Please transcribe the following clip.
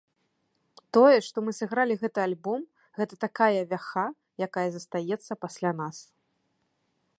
Тое, што мы сыгралі гэты альбом, гэта такая вяха, якая застаецца пасля нас.